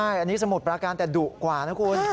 อันนี้สมุทรปราการแต่ดุกว่านะคุณ